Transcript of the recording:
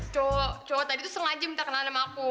cowok cowok tadi tuh sengaja minta kenalan sama aku